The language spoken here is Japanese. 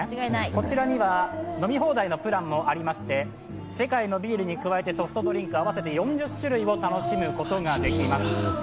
こちらには飲み放題のプランもありまして、世界のビールに加えてソフトドリンク、合わせて４０種類を楽しむことができます。